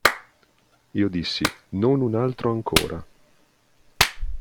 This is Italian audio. Io dissi: "Non un altro ancora!